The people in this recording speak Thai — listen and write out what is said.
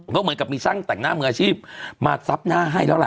ก็เหมือนกับมีช่างแต่งหน้ามืออาชีพมาซับหน้าให้แล้วล่ะ